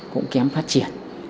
cũng kém phát triển